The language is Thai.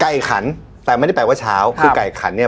ขันแต่ไม่ได้แปลว่าเช้าคือไก่ขันเนี้ย